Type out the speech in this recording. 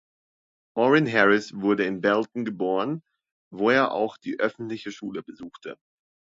Oren Harris wurde in Belton geboren, wo er auch die öffentliche Schule besuchte.